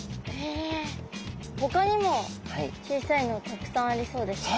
ほかにも小さいのたくさんありそうですね。